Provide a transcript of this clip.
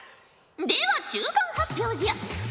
では中間発表じゃ。